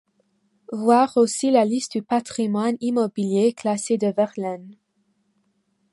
Voir aussi la liste du patrimoine immobilier classé de Verlaine.